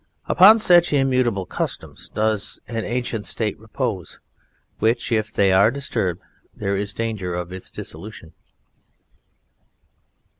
Upon such immutable customs does an ancient State repose, which, if they are disturbed, there is danger of its dissolution.